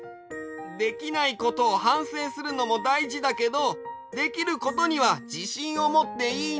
できないことをはんせいするのもだいじだけどできることにはじしんをもっていいんだよ！